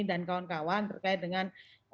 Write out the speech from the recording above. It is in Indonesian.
kawan kawan terkait dengan